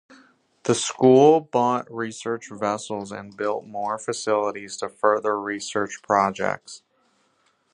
The school bought Research vessels and built more facilities to further research projects.